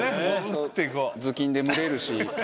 頭巾で蒸れるし。